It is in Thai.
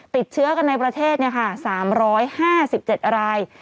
ติดเชื้อกันในประเทศเนี่ยค่ะ๓๕๗ราย